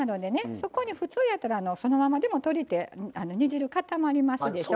そこに普通やったらそのままでも鶏って煮汁固まりますでしょ。